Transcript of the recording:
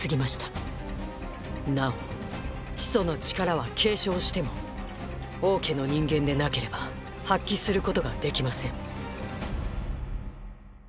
なお始祖の力は継承しても王家の人間でなければ発揮することができません